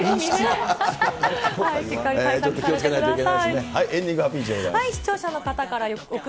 しっかり対策してください。